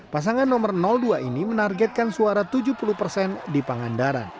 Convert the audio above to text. pasangan nomor dua ini menargetkan suara tujuh puluh persen di pangandaran